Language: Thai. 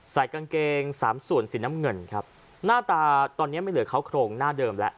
ใส่กางเกงสามส่วนสีน้ำเงินครับหน้าตาตอนนี้ไม่เหลือเขาโครงหน้าเดิมแล้ว